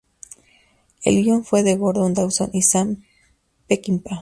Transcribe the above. El guion fue de Gordon Dawson y Sam Peckinpah.